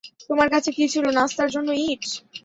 তোমার কাছে কী ছিল, নাস্তার জন্য ইট?